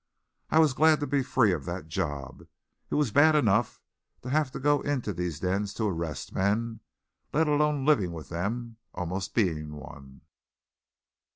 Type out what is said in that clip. I was glad to be free of that job. It was bad enough to have to go into these dens to arrest men, let alone living with them, almost being one.